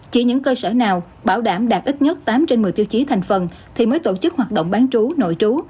chỉ những cơ sở nào bảo đảm đạt ít nhất tám trên một mươi tiêu chí thành phần thì mới tổ chức hoạt động bán trú nội trú